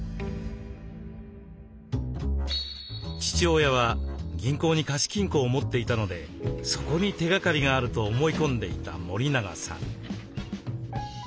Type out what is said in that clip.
父親は銀行に貸金庫を持っていたのでそこに手がかりがあると思い込んでいた森永さん。